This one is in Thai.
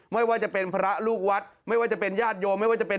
มรรณภาพฎีแรกแล้วช็อควัดโวรักษณ์